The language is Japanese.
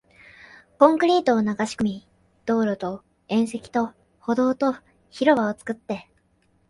コンクリートを流し込み、道路と縁石と歩道と広場を作って